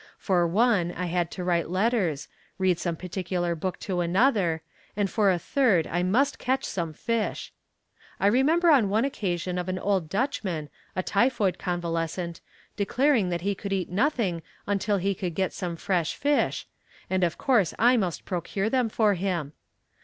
For one I had to write letters, read some particular book to another, and for a third I must catch some fish. I remember on one occasion of an old Dutchman, a typhoid convalescent, declaring that he could eat nothing until he could get some fresh fish, and of course I must procure them for him.